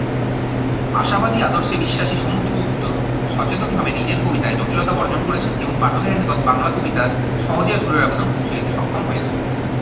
আশাবাদী-আদর্শে বিশ্বাসী সমুদ্র গুপ্ত সচেতনভাবে নিজের কবিতায় জটিলতা বর্জন করেছেন এবং পাঠকের নিকট বাংলা-কবিতার ‘সহজিয়া’-সুরের আবেদন পৌঁছে দিতে সক্ষম হয়েছেন।